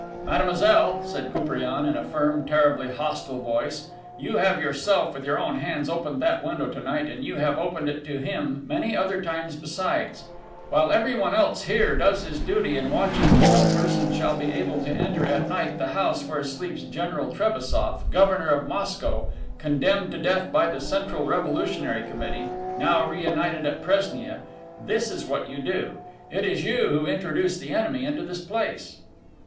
"Mademoiselle," said Koupriane, in a firm, terribly hostile voice, "you have yourself, with your own hands, opened that window to night; and you have opened it to him many other times besides. While everyone else here does his duty and watches that no person shall be able to enter at night the house where sleeps General Trebassof, governor of Moscow, condemned to death by the Central Revolutionary Committee now reunited at Presnia, this is what you do; it is you who introduce the enemy into this place."